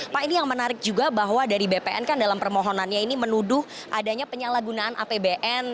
pak ini yang menarik juga bahwa dari bpn kan dalam permohonannya ini menuduh adanya penyalahgunaan apbn